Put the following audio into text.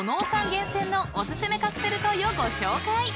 厳選のお薦めカプセルトイをご紹介］